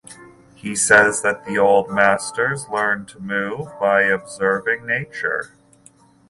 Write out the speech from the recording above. He says that the old masters learned to move by observing nature.